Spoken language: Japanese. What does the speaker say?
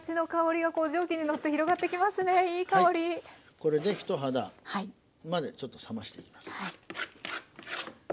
これで人肌までちょっと冷ましていきます。